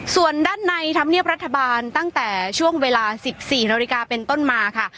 ส่วนด้านในธรรมเนียบรัฐบาลตั้งแต่ช่วงเวลา๑๔นาฬิกาเป็นต้นมาค่ะ